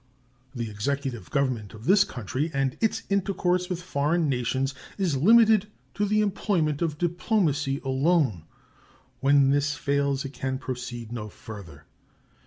The executive government of this country in its intercourse with foreign nations is limited to the employment of diplomacy alone. When this fails it can proceed no further.